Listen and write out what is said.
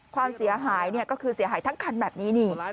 ความเสียหายก็คือเสียหายทั้งคันแบบนี้นี่